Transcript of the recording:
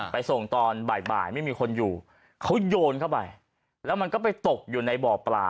ไปส่งตอนบ่ายไม่มีคนอยู่เขาโยนเข้าไปแล้วมันก็ไปตกอยู่ในบ่อปลา